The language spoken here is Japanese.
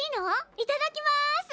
いただきます！